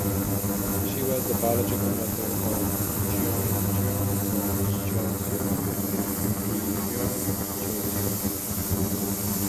She was the biological mother of Jeongjong of Joseon and Taejong of Joseon.